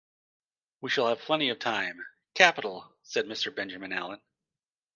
We shall have plenty of time.’ ‘Capital!’ said Mr. Benjamin Allen.